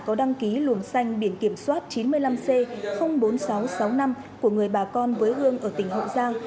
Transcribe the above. có đăng ký luồng xanh biển kiểm soát chín mươi năm c bốn nghìn sáu trăm sáu mươi năm của người bà con với hương ở tỉnh hậu giang